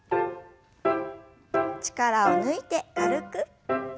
力を抜いて軽く。